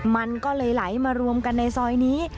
มันก็เลยไหลมารวมกันในซอยนี้